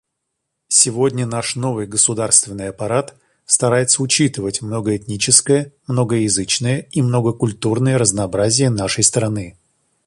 Сегодня наш новый государственный аппарат старается учитывать многоэтническое, многоязычное и многокультурное разнообразие нашей страны.